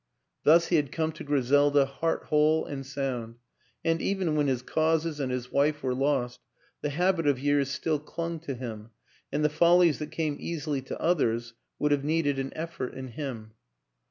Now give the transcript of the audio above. Thus he had come to Griselda heart whole and sound, and, even when his causes and his wife were lost, the habit of years still clung to him and the follies that came easily to others would have needed an effort in him.